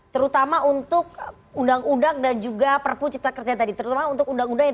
terutama untuk undang undang dan juga perpu cipta kerja tadi terutama untuk undang undang yang